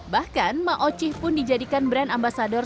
bahkan ma ochi pun dijadikan brand ambasador